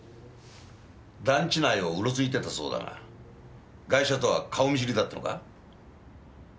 団地内をうろついてたそうだがガイシャとは顔見知りだったのか？